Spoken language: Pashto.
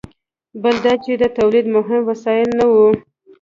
بل دا چې د تولید مهم وسایل نه وو.